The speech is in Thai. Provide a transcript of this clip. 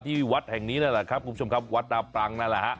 ที่วัดแห่งนี้นั่นแหละครับคุณผู้ชมครับวัดนาปรังนั่นแหละฮะ